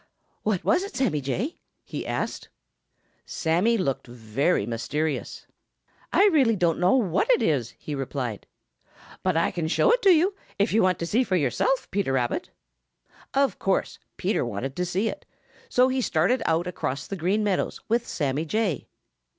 "What was it, Sammy Jay?" he asked. Sammy looked very mysterious. "I really don't know what it is," he replied, "but I can show it to you, if you want to see for yourself, Peter Rabbit." Of course Peter wanted to see it, so he started out across the Green Meadows with Sammy Jay.